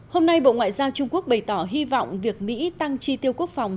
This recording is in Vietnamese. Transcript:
hôm nay bộ ngoại giao trung quốc bày tỏ hy vọng việc mỹ tăng tri tiêu quốc phòng